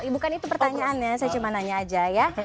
bukan itu pertanyaannya saya cuma nanya aja ya